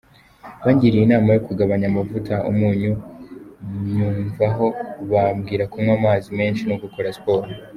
Bangiriye inama yo kugabanya amavuta, umunyu nywuvaho, bambwira kunywa amazi menshi no gukora siporo.